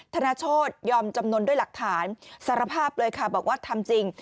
ธนโชธยอมจำนวนด้วยหลักฐานสารภาพเลยค่ะบอกว่าทำจริง